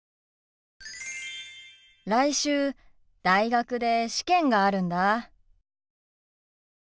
来週大学で試験があるんだ。